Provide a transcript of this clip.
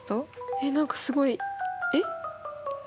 えっ何かすごいえっ？